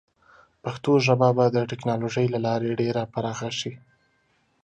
پښتو ژبه به د ټیکنالوجۍ له لارې ډېره پراخه شي.